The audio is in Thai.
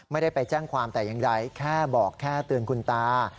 ไม่ได้ไปแจ้งความแต่อย่างใดแค่บอกแค่เตือนคุณตา